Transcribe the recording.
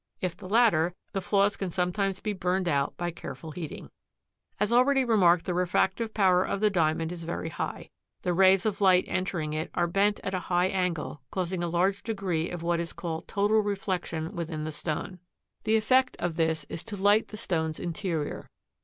If the latter, the flaws can sometimes be burned out by careful heating. As already remarked, the refractive power of the Diamond is very high. The rays of light entering it are bent at a high angle, causing a large degree of what is called total reflection within the stone. The effect of this is to light the stone's interior.